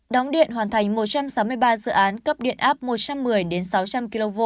đóng điện hoàn thành một trăm sáu mươi ba dự án cấp điện áp một trăm một mươi sáu trăm linh kv